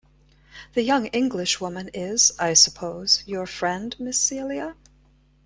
The young Englishwoman is, I suppose, your friend Miss Celia?